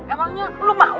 emangnya lu mau